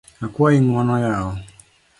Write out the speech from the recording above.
Akuayi ng’uono yawa